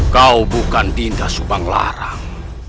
kau bukan dinda subanglarang